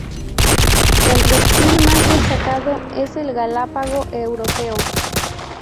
El reptil más destacado es el galápago europeo.